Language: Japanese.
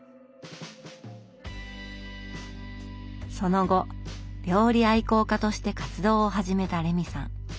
その後料理愛好家として活動を始めたレミさん。